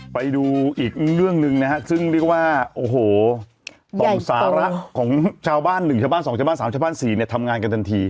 ไปดูอีกเรื่องหนึ่งนะฮะซึ่งเรียกว่าโอ้โหสองสาระของชาวบ้าน๑ชาวบ้าน๒ชาวบ้าน๓ชาวบ้าน๔เนี่ยทำงานกันทันที